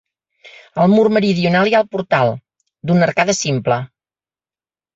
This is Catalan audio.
Al mur meridional hi ha el portal, d'una arcada simple.